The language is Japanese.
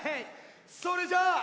それじゃ。